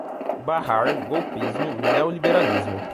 barrar, golpismo, neoliberalismo